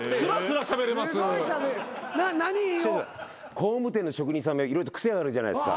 工務店の職人さん癖あるじゃないですか。